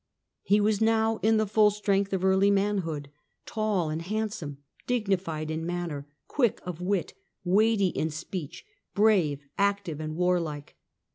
He was now in the full Henry IV. Strength of early manhood, tall and handsome, dignified in manner, quick of wit, weighty in speech, brave, active, and warlike.